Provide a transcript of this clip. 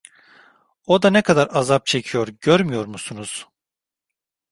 O da ne kadar azap çekiyor görmüyor musunuz?